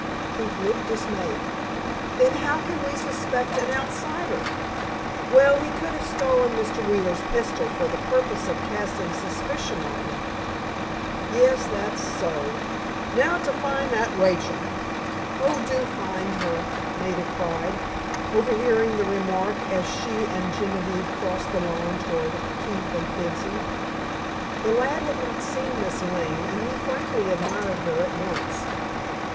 Keefe looked dismayed. "Then how can we suspect an outsider?" "Well, he could have stolen Mr. Wheeler's pistol for the purpose of casting suspicion on him." "Yes; that's so. Now to find that Rachel." "Oh, do find her," Maida cried, overhearing the remark as she and Genevieve crossed the lawn toward Keefe and Fibsy. The lad had not yet seen Miss Lane and he frankly admired her at once.